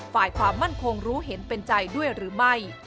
ฝ่ายความมั่นคงรู้เห็นเป็นใจด้วยหรือไม่